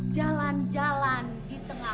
jalan jalan di tengah